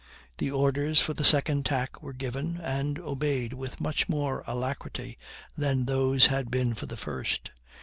The orders for the second tack were given, and obeyed with much more alacrity than those had been for the first.